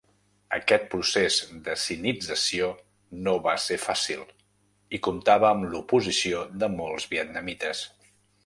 Aquest procés de sinització no va ser fàcil, i comptava amb l'oposició de molts vietnamites.